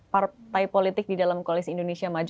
partai politik di dalam koalisi indonesia maju